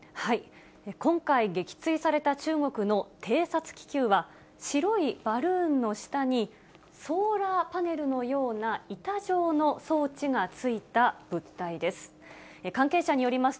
今回、撃墜された中国の偵察気球は、白いバルーンの下に、ソーラーパネルのような板状の装置がついた物体です。